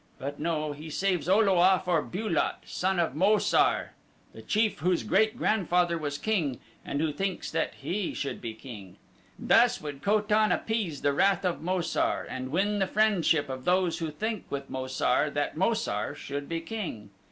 But no, he saves O lo a for Bu lot, son of Mo sar, the chief whose great grandfather was king and who thinks that he should be king. Thus would Ko tan appease the wrath of Mo sar and win the friendship of those who think with Mo sar that Mo sar should be king.